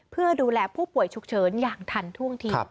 เพื่อดูแลผู้ป่วยฉุกเฉินอย่างทันท่วงที